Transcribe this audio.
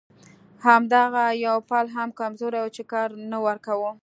همدغه یو پل هم کمزوری و چې کار نه ورکاوه.